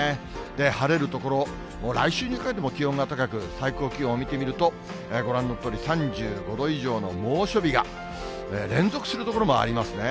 晴れる所、来週にかけても気温が高く、最高気温を見てみると、ご覧のとおり、３５度以上の猛暑日が連続する所もありますね。